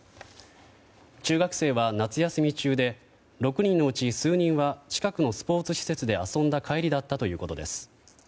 中学生は夏休み中で６人のうち数人は近くのスポーツ施設で遊んだ帰りだったということです。